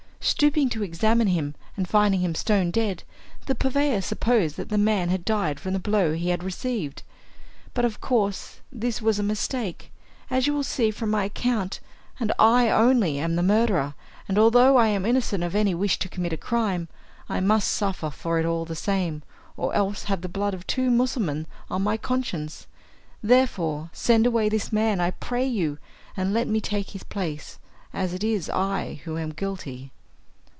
Stooping to examine him, and finding him stone dead, the purveyor supposed that the man had died from the blow he had received; but of course this was a mistake, as you will see from my account, and I only am the murderer; and although I am innocent of any wish to commit a crime, I must suffer for it all the same, or else have the blood of two Musselmans on my conscience. Therefore send away this man, I pray you, and let me take his place, as it is I who am guilty."